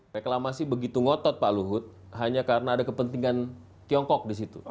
reklamasi begitu ngotot pak luhut hanya karena ada kepentingan tiongkok disitu